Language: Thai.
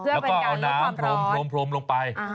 แล้วก็เอาน้ำพรมลงไป